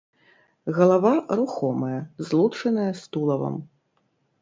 Галава рухомая, злучаная з тулавам.